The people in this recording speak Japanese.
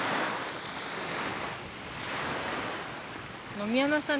野見山さん